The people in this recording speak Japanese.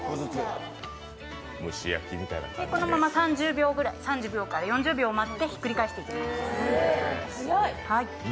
このまま３０秒から４０秒待ってひっくり返していきます。